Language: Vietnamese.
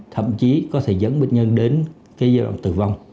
thậm chí có thể dẫn bệnh nhân đến cái giai đoạn tử vong